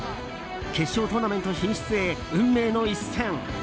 決勝トーナメント進出へ運命の一戦。